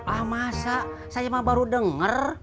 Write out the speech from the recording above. ah masa saya mah baru dengar